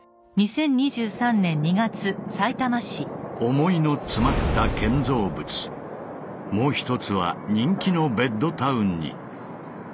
想いのつまった建造物もう一つは人気のベッドタウンに。